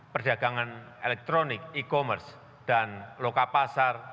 perdagangan elektronik e commerce dan loka pasar